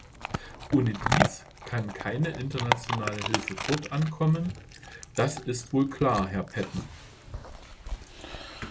Ohne dies kann keine internationale Hilfe dort ankommen, das ist wohl klar, Herr Patten!